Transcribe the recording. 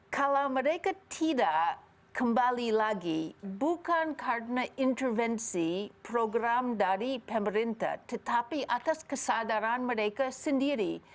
kalau mereka tidak kembali lagi bukan karena intervensi program dari pemerintah tetapi atas kesadaran mereka sendiri